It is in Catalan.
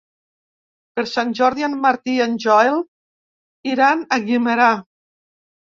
Per Sant Jordi en Martí i en Joel iran a Guimerà.